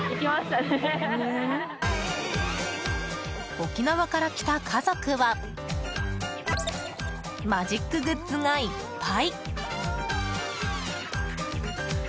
沖縄から来た家族はマジックグッズがいっぱい。